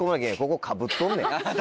ここかぶっとんねん。